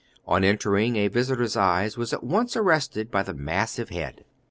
On entering, a visitor's eye was at once arrested by the massive head.